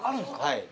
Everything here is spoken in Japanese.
はい。